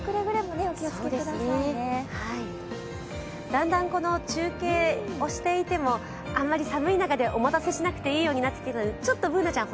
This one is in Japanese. だんだん中継をしていても、あまり寒い中でお待たせしなくていいようになってきたのでちょっとＢｏｏｎａちゃん